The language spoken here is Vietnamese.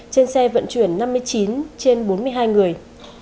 trên xe vận chuyển năm mươi chín trên bốn mươi hai người